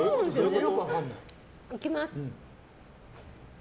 いきます。